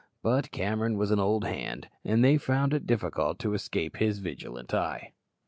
But Cameron was an old hand, and they found it difficult to escape his vigilant eye.